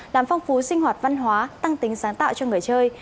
làm phong phú sinh hoạt văn hóa tăng tính sáng tạo cho người chơi